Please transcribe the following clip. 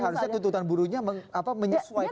harusnya tuntutan burunya menyesuaikan dengan apa yang kemudian